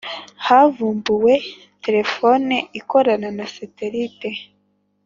Havumbuwe telefoni ikorana na satellite.